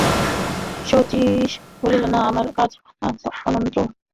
শচীশ বলিল, না, আমার কাজ অন্যত্র!